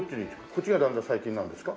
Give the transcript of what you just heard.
こっちがだんだん最近なんですか？